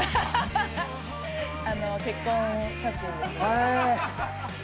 あの結婚写真ですね。